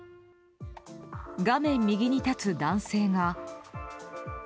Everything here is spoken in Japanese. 画面右に立つ男性が。